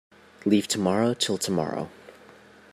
Leave tomorrow till tomorrow.